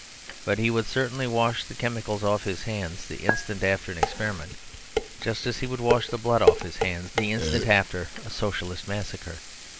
But he would certainly wash the chemicals off his hands the instant after an experiment; just as he would wash the blood off his hands the instant after a Socialist massacre.